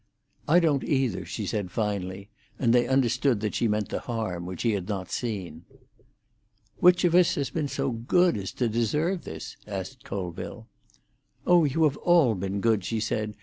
"I don't either," she said finally, and they understood that she meant the harm which he had not seen. "Which of us has been so good as to deserve this?" asked Colville. "Oh, you have all been good," she said.